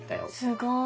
すごい。